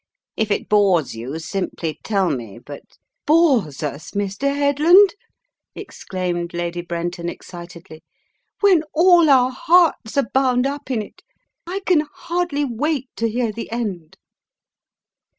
If it bores you, simply tell me, but " "Bores us, Mr. Headland?" exclaimed Lady Bren ton, excitedly. "When all our hearts are bound up in it? I can hardly wait to hear the end."